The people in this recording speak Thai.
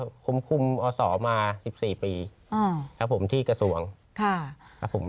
คุ้มคุ้มเอาสอมาสิบสี่ปีอ่าครับผมที่กระทรวงค่ะครับผม